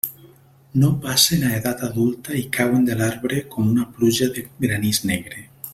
No passen a edat adulta i cauen de l'arbre com una pluja de granís negre.